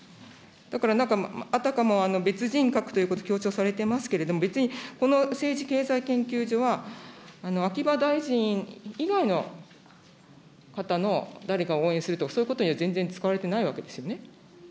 だからなんか、あたかも別人格ということを強調されてますけど、別にこの政治経済研究所は、秋葉大臣以外の方の誰かを応援するとか、そういうことには全然使われてないわけですよね。